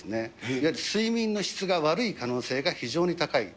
いわゆる睡眠の質が悪い可能性が非常に高い。